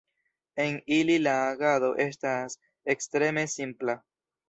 En ili la agado estas ekstreme simpla.